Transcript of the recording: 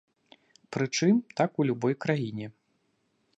Прычым, так у любой краіне.